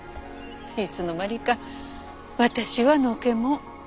いつの間にか私はのけ者。